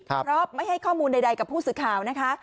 เพราะไม่ให้ข้อมูลใดกับผู้สื่อข่าวนะคะ